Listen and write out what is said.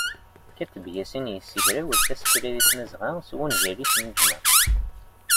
Kateb Yasin yessegrawel tasekla deg Tmazɣa s wungal-is "Neǧma'.